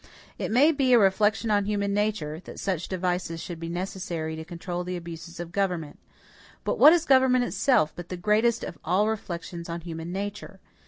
It may be a reflection on human nature, that such devices should be necessary to control the abuses of government. But what is government itself, but the greatest of all reflections on human nature?